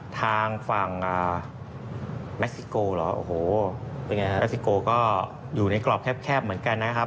ทางฝั่งแม็กซิโกหรอแม็กซิโกก็อยู่ในกรอบแคบเหมือนกันนะครับ